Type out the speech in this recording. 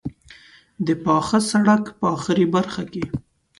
د پاخه سړک په آخري برخه کې.